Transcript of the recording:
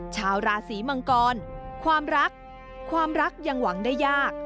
ชาวราศีมังกรความรักความรักยังหวังได้ยาก